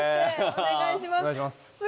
お願いします。